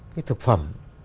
cái thực phẩm